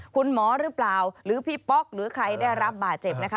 คุณหมอหรือเปล่าหรือพี่ป๊อกหรือใครได้รับบาดเจ็บนะคะ